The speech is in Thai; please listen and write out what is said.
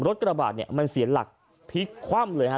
กระบาดเนี่ยมันเสียหลักพลิกคว่ำเลยฮะ